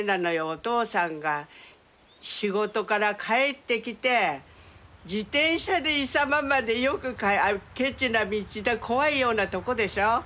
お父さんが仕事から帰ってきて自転車で石間までよくケチな道で怖いようなとこでしょ。